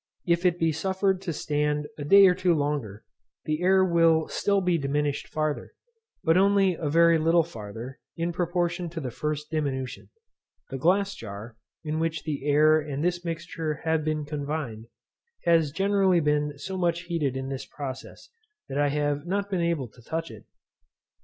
If it be suffered to stand a day or two longer, the air will still be diminished farther, but only a very little farther, in proportion to the first diminution. The glass jar, in which the air and this mixture have been confined, has generally been so much heated in this process, that I have not been able to touch it.